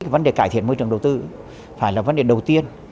vấn đề cải thiện môi trường đầu tư phải là vấn đề đầu tiên